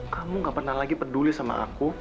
kamu gak pernah lagi peduli sama aku